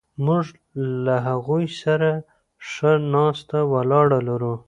موږ له هغوی سره ښه ناسته ولاړه لرو.